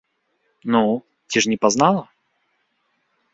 Ну, ці ж не пазнала?